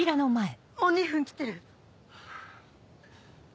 もう２分切ってる！